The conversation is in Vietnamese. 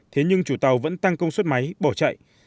thế nhưng chủ tàu vẫn tăng công suất máy bỏ chạy